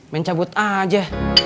main cabut aja